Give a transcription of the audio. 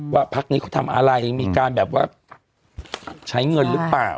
พักนี้เขาทำอะไรมีการแบบว่าใช้เงินหรือเปล่า